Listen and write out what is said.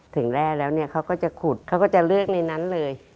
แร่แล้วเนี่ยเขาก็จะขุดเขาก็จะเลือกในนั้นเลย